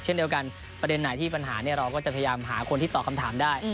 เช่นเดียวกันประเด็นไหนที่ปัญหาเราก็จะพยายามหาคนที่ตอบคำถามได้